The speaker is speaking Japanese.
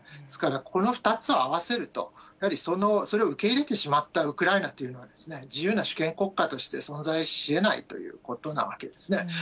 ですから、この２つを合わせると、やはりそれを受け入れてしまったウクライナっていうのは、自由な主権国家として存在しえないということなわけですね。